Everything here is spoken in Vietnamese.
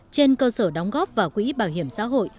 trên cơ sở đóng góp vào quỹ bảo hiểm xã hội